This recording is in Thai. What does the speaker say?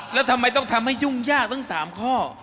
แล้วทำไมต้องทำให้ยุ่งยากทั้ง๓ข้อ